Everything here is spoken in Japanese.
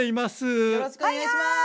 よろしくお願いします！